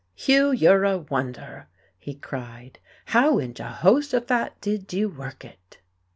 "Hugh, you're a wonder!" he cried. "How in Jehoshaphat did you work it?"...